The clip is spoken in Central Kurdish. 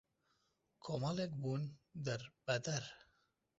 کۆمەڵێک بوون دەربەدەر